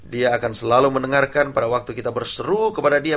dia akan selalu mendengarkan pada waktu kita berseru kepada dia